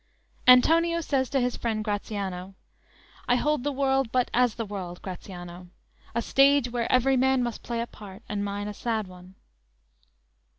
"_ Antonio says to his friend Gratiano: _"I hold the world but as the world, Gratiano; A stage where every man must play a part, And mine a sad one."